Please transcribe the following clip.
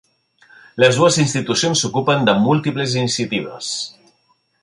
Les dues institucions s'ocupen de múltiples iniciatives.